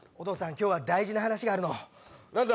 今日大事な話があるの何だ？